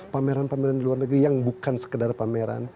pameran pameran di luar negeri yang bukan sekedar pameran